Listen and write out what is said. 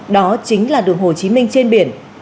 đó chính là đường hồ chí minh trên biển